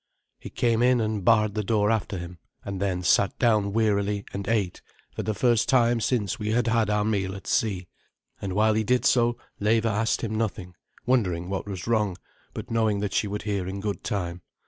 He came in and barred the door after him, and then sat down wearily and ate for the first time since we had had our meal at sea; and while he did so Leva asked him nothing, wondering what was wrong, but knowing that she would hear in good time.